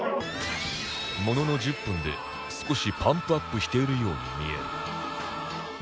ものの１０分で少しパンプアップしているように見える